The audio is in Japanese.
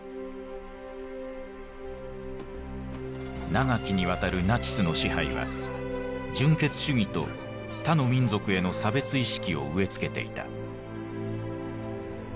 長きにわたるナチスの支配は純血主義と他の民族への差別意識を植え付けていた。